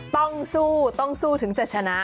ต้องสู้ต้องสู้ถึงจะชนะ